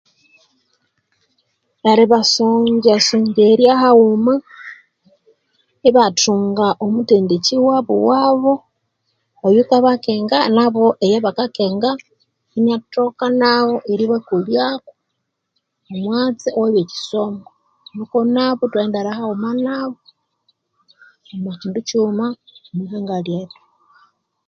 Eribasonjasongerya haghuma ibathunga omuthendekyi wabu wabu oyuka bakenga nabo eyabakakenge inyathoka nabo eribakolyako omwatsi owebyekisomo nuko nabo ithwaghendera haghuma nabo omwa kyindu kyighuma omwihanga lyethu